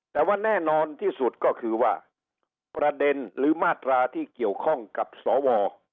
แต่ว่าแน่นอนที่สุดก็คือว่าประเด็นหรือมาตราที่เกี่ยวข้องกับสว